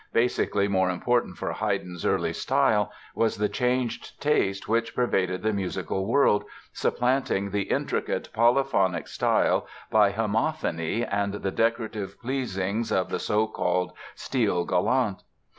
Basically more important for Haydn's early style was the changed taste which pervaded the musical world, supplanting the intricate polyphonic style by homophony and the decorative pleasings of the so called style galant.